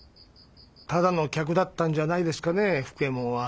ただの客だったんじゃないですかね福右衛門は。